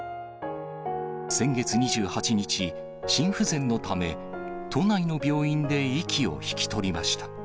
先月２８日、心不全のため、都内の病院で息を引き取りました。